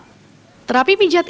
terapi pijat ini tidak terlalu banyak